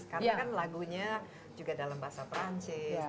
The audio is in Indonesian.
karena kan lagunya juga dalam bahasa perancis